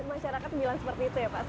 masyarakat bilang seperti itu ya pak